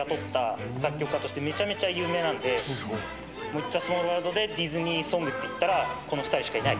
『イッツ・ア・スモールワールド』でディズニーソングっていったらこの２人しかいない。